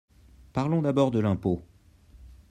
Parlons d’abord de l’impôt.